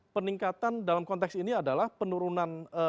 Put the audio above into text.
peningkatan dalam konteks ini adalah penurunan